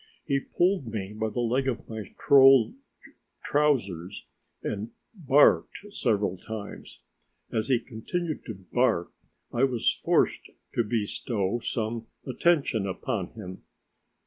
He pulled me by the leg of my trousers and barked several times. As he continued to bark, I was forced to bestow some attention upon him.